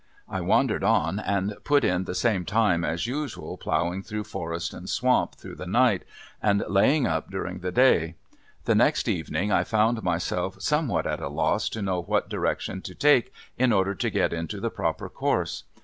I wandered on and put in the time as usual plowing through forest and swamp through the night, and laying up during the day. The next evening I found myself somewhat at a loss to know what direction to take in order to get into the proper course.